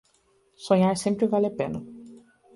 Sonhar sempre vale a pena